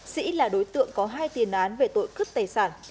sĩ là đối tượng có hai tiền án về tội cướp tài sản